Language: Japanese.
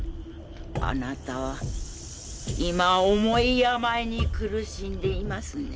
あなたは今重い病に苦しんでいますね。